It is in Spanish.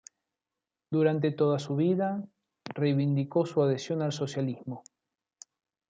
Durante toda su vida reivindicó su adhesión al socialismo.